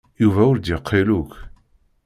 Yuba ur d-yeqqil akk.